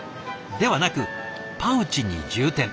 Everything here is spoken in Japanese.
ではなくパウチに充填。